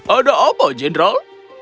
ada apa general